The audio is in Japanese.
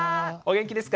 元気です。